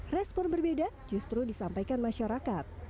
respon berbeda justru disampaikan masyarakat